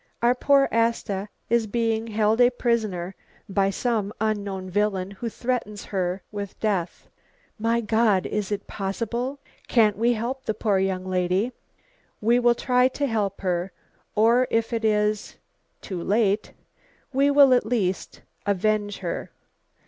Our poor Asta is being held a prisoner by some unknown villain who threatens her with death." "My God, is it possible? Can't we help the poor young lady?" "We will try to help her, or if it is too late, we will at least avenge her.